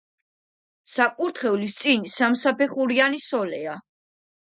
საკურთხევლის წინ სამსაფეხურიანი სოლეაა.